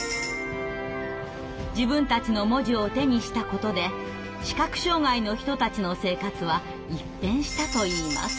自分たちの文字を手にしたことで視覚障害の人たちの生活は一変したといいます。